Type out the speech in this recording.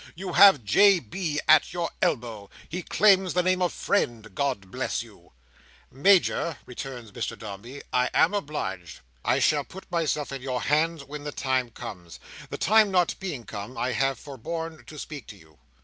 You have J. B. at your elbow. He claims the name of friend. God bless you!" "Major," returns Mr Dombey, "I am obliged. I shall put myself in your hands when the time comes. The time not being come, I have forborne to speak to you."